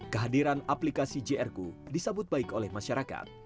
kehadiran aplikasi jrc disambut baik oleh masyarakat